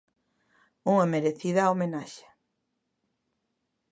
Unha merecida homenaxe.